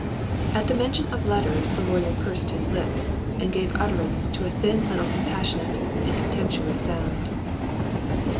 At the mention of letters the lawyer pursed up his lips, and gave utterance to a thin little compassionate and contemptuous sound.